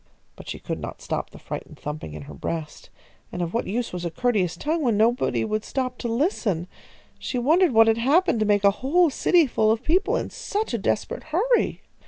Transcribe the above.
But she could not stop the frightened thumping in her breast, and of what use was a courteous tongue, when nobody would stop to listen? She wondered what had happened to make a whole city full of people in such a desperate hurry.